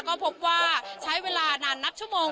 ก็พบว่าใช้เวลานานนับชั่วโมง